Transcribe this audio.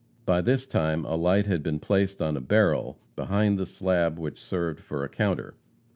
By this time a light had been placed on a barrel behind the slab which served for a counter.